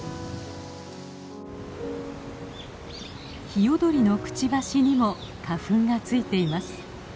ヒヨドリのくちばしにも花粉が付いています。